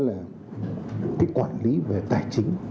cái quản lý về tài chính